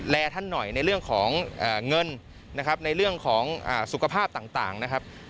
และท่านหน่อยในเรื่องของเงินนะครับในเรื่องของสุขภาพต่างนะครับ